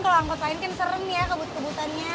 kalau angkot lain kan serem ya kebut kebutannya